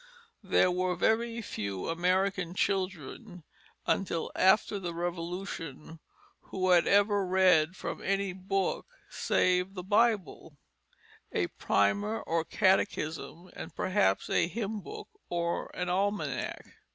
There were few American children until after the Revolution who had ever read from any book save the Bible, a primer, or catechism, and perhaps a hymn book or an almanac.